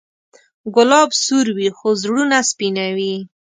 ګلاب سور وي، خو زړونه سپینوي.